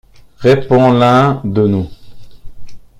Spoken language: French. répond l’un de nous.